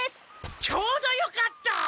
ちょうどよかった！